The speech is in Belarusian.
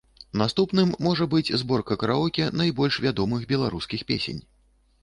Наступным можа быць зборка караоке найбольш вядомых беларускіх песень.